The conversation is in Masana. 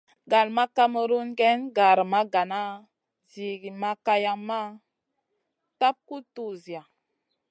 Gal ma kamerun géyn gara ma gana Zi ma kayamma tap guʼ tuwziya.